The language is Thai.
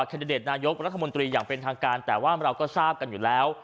ดิเดตนายกรัฐมนตรีอย่างเป็นทางการแต่ว่าเราก็ทราบกันอยู่แล้ว